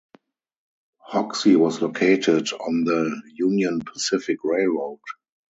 Hoxie was located on the Union Pacific Railroad.